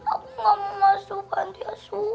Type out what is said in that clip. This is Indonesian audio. aku gak mau masuk panti asuan